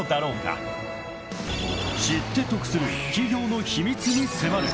［知って得する企業の秘密に迫る］